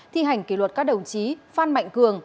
thi hành kỷ luật các đồng chí phan mạnh cường